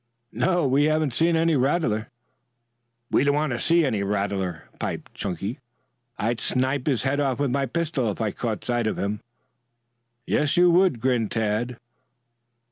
"No, we haven't seen any rattler." "We don't want to see any rattler," piped Chunky. "I'd snip his head off with my pistol if I caught sight of him." "Yes, you would!" grinned Tad.